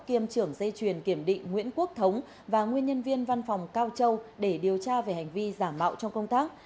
kiêm trưởng dây truyền kiểm định nguyễn quốc thống và nguyên nhân viên văn phòng cao châu để điều tra về hành vi giả mạo trong công tác